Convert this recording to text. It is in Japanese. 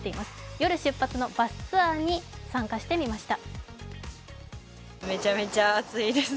夜出発のバスツアーに参加してみました。